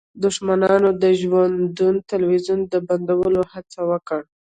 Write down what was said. دښمنانو د ژوندون تلویزیون د بندولو هڅه وکړه